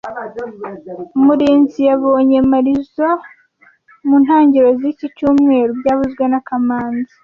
Murinzi yabonye Marizoa mu ntangiriro ziki cyumweru byavuzwe na kamanzi